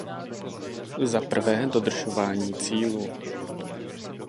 Zaprvé, dodržování cílů.